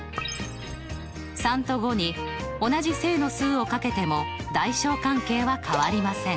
３と５に同じ正の数を掛けても大小関係は変わりません。